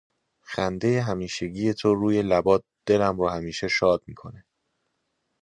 خنده همیشگی تو روی لبات دلم رو همیشه شاد میکنه